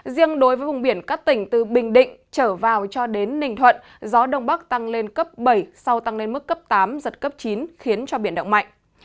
riêng đối với vùng biển các tỉnh từ bình định trở vào cho đến ninh thuận gió đông bắc tăng lên cấp bảy sau tăng lên mức cấp tám giật cấp chín khiến cho biển động mạnh